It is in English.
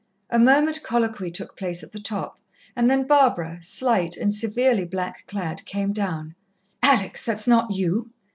A murmured colloquy took place at the top, and then Barbara, slight and severely black clad, came down. "Alex, that's not you?"